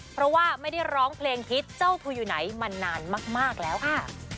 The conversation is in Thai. เพราะว่าไม่ได้ร้องเพลงฮิตเจ้าเธออยู่ไหนมานานมากแล้วค่ะ